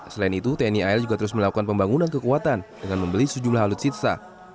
selain itu tni al juga terus melakukan pembangunan kekuatan dengan membeli sejumlah alutsista